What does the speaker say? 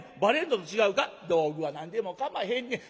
「道具は何でもかまへんねん。